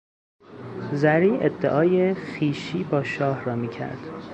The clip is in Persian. زری ادعای خویشی با شاه را میکرد.